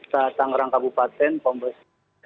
saat tanggerang kabupaten pombos